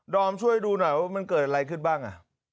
อมช่วยดูหน่อยว่ามันเกิดอะไรขึ้นบ้าง